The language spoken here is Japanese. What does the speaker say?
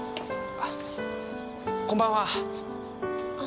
あこんばんは。